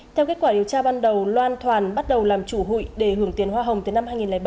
theo kết quả điều tra ban đầu loan thoàn bắt đầu làm chủ hụi để hưởng tiền hoa hồng từ năm hai nghìn ba